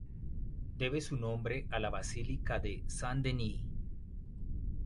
Debe su nombre a la Basílica de Saint-Denis.